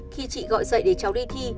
khi chị gọi dậy để cháu đi thi